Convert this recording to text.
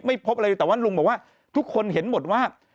พบอะไรเลยแต่ว่าลุงบอกว่าทุกคนเห็นหมดว่า